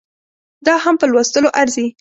دا هم په لوستلو ارزي